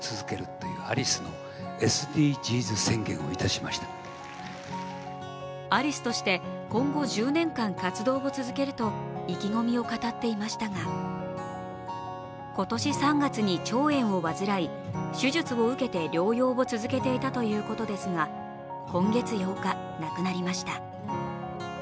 そして去年７月にはアリスとして今後１０年間活動を続けると意気込みを語っていましたが、今年３月に腸炎を患い、手術を受けて療養を続けていたということですが、今月８日、亡くなりました。